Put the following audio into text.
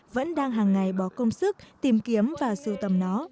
vẫn đang hàng ngày bỏ công sức tìm kiếm và sưu tầm nó